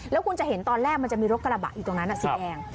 แล้วคุณจะเห็นตอนแรกมันจะมีรถกระบะอยู่ตรงนั้นสีแดง